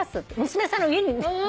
娘さんの家に。